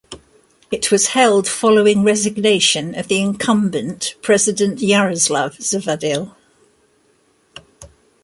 It was held following resignation of the incumbent President Jaroslav Zavadil.